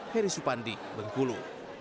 heri supandi bengkulu